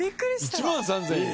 １万３０００円。